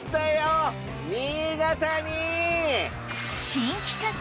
新企画！